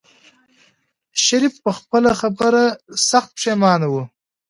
شريف په خپله خبره سخت پښېمانه و.